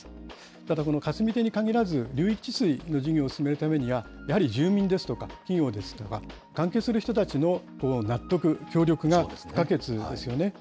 ただ、この霞堤に限らず、流域治水の事業を進めるためには、やはり住民ですとか、企業ですとか、関係する人たちの納得、協力が不可欠ですよね。